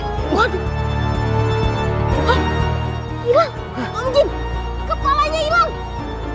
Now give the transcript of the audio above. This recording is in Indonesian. om jin kepalanya hilang